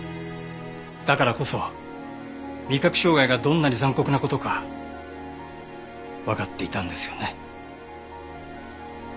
だからこそ味覚障害がどんなに残酷な事かわかっていたんですよね？